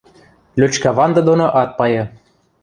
Лӧчкӓванды доно ат пайы.